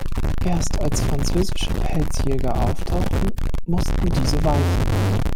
Erst als französische Pelzjäger auftauchten, mussten diese weichen.